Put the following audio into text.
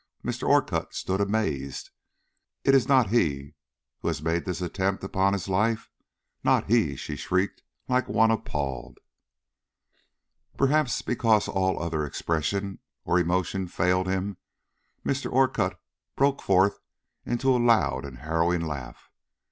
Mr. Orcutt stood amazed. "It is not he who has made this attempt upon his life! not he!" she shrieked like one appalled. Perhaps because all other expression or emotion failed him, Mr. Orcutt broke forth into a loud and harrowing laugh.